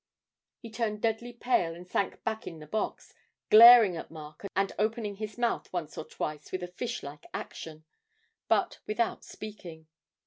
He turned deadly pale and sank back in the box, glaring at Mark and opening his mouth once or twice with a fish like action, but without speaking.